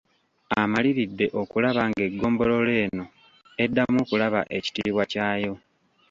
Amaliridde okulaba ng'eggombolola eno eddamu okufuna ekitiibwa kyayo.